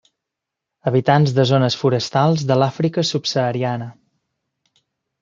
Habitants de zones forestals de l'Àfrica subsahariana.